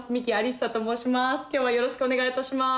今日はよろしくお願いいたします。